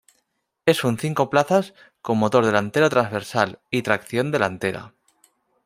Es un cinco plazas con motor delantero transversal y tracción delantera.